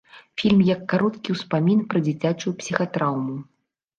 Фільм як кароткі ўспамін пра дзіцячую псіхатраўму.